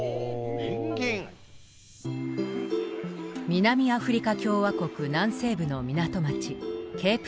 南アフリカ共和国南西部の港町ケープタウン。